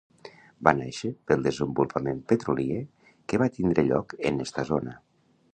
Va nàixer pel desenvolupament petrolier que va tindre lloc en esta zona.